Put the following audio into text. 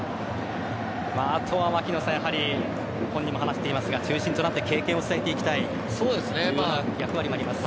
あとは本人も話していますが中心となって経験を伝えていきたい役割もあります。